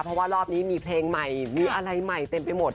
เพราะว่ารอบนี้มีเพลงใหม่มีอะไรใหม่เต็มไปหมด